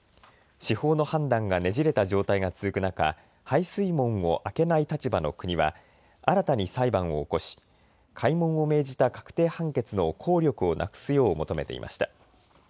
司法の判断がねじれた状態が続く中、排水門を開けない立場の国は新たに裁判を起こし、開門を命じた確定判決の効力をなくすよう求めていました。